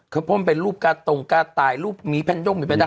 เขาพร้อมเป็นรูปกาตงกาตายรูปหมีแพนย่มอยู่ในประดับ